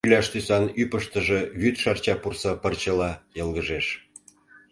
Кӱляш тӱсан ӱпыштыжӧ вӱд шарча пурса пырчыла йылгыжеш.